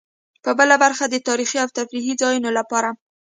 بله برخه د تاریخي او تفریحي ځایونو لپاره.